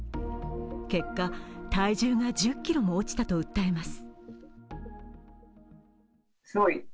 結果、体重が１０ｋｇも落ちたと訴えます。